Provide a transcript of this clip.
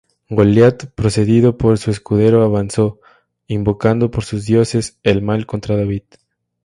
Goliat, precedido por su escudero, avanzó, invocando por sus dioses el mal contra David.